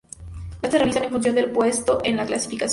Los cruces se realizan en función del puesto en la clasificación.